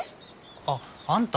あっあんた。